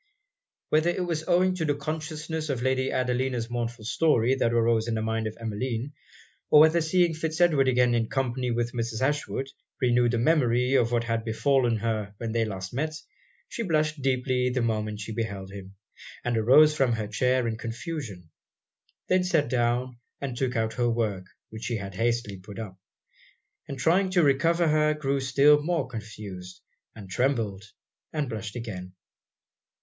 Whether it was owing to the consciousness of Lady Adelina's mournful story that arose in the mind of Emmeline, or whether seeing Fitz Edward again in company with Mrs. Ashwood renewed the memory of what had befallen her when they last met, she blushed deeply the moment she beheld him, and arose from her chair in confusion; then sat down and took out her work, which she had hastily put up; and trying to recover herself, grew still more confused, and trembled and blushed again.